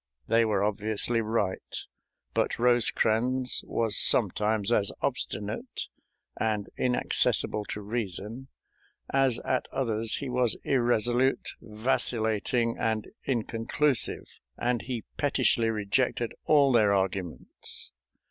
They were obviously right, but Rosecrans was sometimes as obstinate and inaccessible to reason as at others he was irresolute, vacillating, and inconclusive, and he pettishly rejected all their arguments.